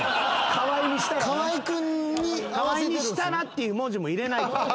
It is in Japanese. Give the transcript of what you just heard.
「河合にしたら」っていう文字も入れないと。